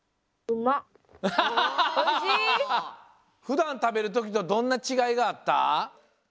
ふだんたべるときとどんなちがいがあった？